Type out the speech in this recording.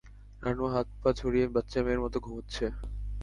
রানু হাত-পা ছড়িয়ে বাচ্চা মেয়ের মতো ঘুমোচ্ছে।